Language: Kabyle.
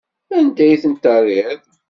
Anda ay tent-terriḍ?